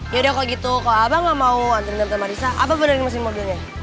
yaudah kalau gitu kalau abah enggak mau bantuin tante marissa apa benerin mesin mobilnya